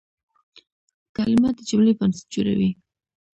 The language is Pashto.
کلیمه د جملې بنسټ جوړوي.